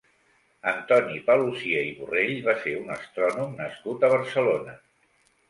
Antoni Paluzie i Borrell va ser un astrònom nascut a Barcelona.